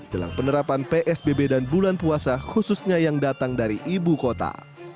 jelang penerapan psbb dan bulan puasa khususnya yang datang dari ibu kota